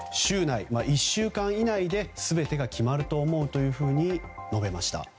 １週間以内で全てが決まると思うと述べました。